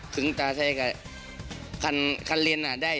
ถึงตาใช้กับคันเลนได้